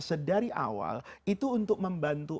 sedari awal itu untuk membantu